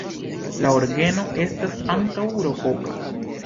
La orgeno estas ankaŭ rokoka.